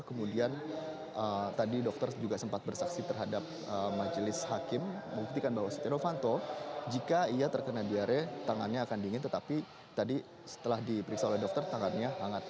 kemudian tadi dokter juga sempat bersaksi terhadap majelis hakim membuktikan bahwa setia novanto jika ia terkena diare tangannya akan dingin tetapi tadi setelah diperiksa oleh dokter tangannya hangat